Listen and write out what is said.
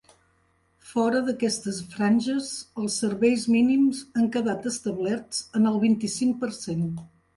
Fora d’aquestes franges, els serveis mínims han quedat establerts en el vint-i-cinc per cent.